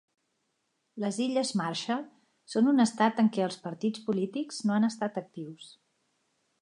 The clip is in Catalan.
Les Illes Marshall són un estat en què els partits polítics no han estat actius.